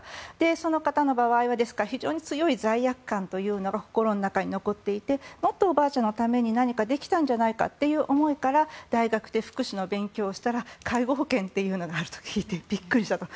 その方の場合は非常に強い罪悪感というのが心の中に残っていてもっとおばあちゃんのために何かできたんじゃないかという思いから大学で福祉の勉強をしたら介護保険というのがあると聞いてびっくりしたと。